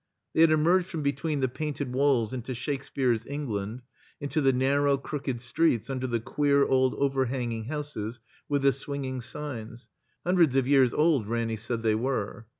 They had emerged from between the painted walls into Shakespeare's England, into the narrow, crooked streets under the queer old overhanging houses with the swinging signs — ^htmdreds of years old Ranny said they were.